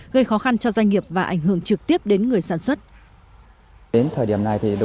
gây khó khăn cho doanh nghiệp và ảnh hưởng trực tiếp đến người sản xuất